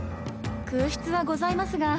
空室はございますが。